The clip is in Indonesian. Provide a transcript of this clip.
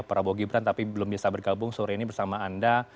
prabowo gibran tapi belum bisa bergabung sore ini bersama anda